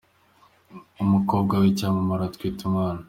Umukobwa wicyamamare atwite umwana